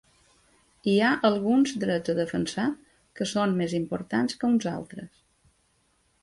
Hi ha alguns drets a defensar que són més importants que uns altres.